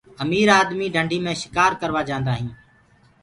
امير آدمي ڍنڊي مي شڪآر ڪروآ جآندآ هينٚ۔